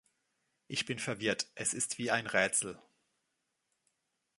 Ich bin verwirrt, es ist wie ein Rätsel.